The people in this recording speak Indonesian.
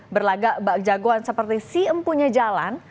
berlagak jagoan seperti si empunya jalan